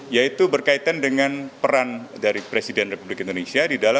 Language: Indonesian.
yaitu berkaitan dengan peran dari presiden republik indonesia